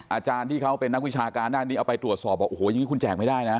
อาจารย์ที่เขาเป็นนักวิชาการด้านนี้เอาไปตรวจสอบบอกโอ้โหอย่างนี้คุณแจกไม่ได้นะ